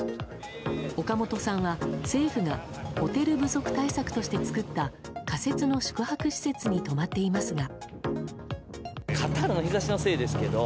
岡本さんは、政府がホテル不足対策として作った仮設の宿泊施設に泊まっていますが。